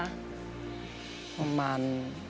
ประมาณ